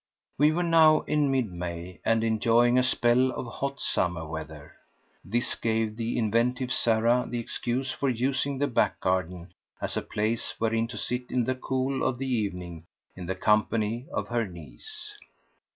We were now in mid May and enjoying a spell of hot summer weather. This gave the inventive Sarah the excuse for using the back garden as a place wherein to sit in the cool of the evening in the company of her niece.